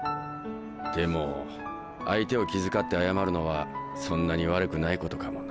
でも相手を気遣って謝るのはそんなに悪くないことかもな。